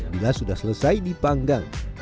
bila sudah selesai dipanggang